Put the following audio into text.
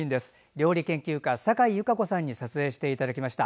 料理研究家、サカイ優佳子さんに撮影していただきました。